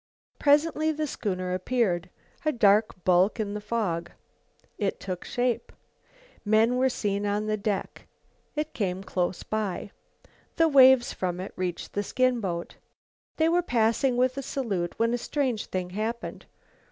Presently the schooner appeared, a dark bulk in the fog. It took shape. Men were seen on the deck. It came in close by. The waves from it reached the skin boat. They were passing with a salute, when a strange thing happened.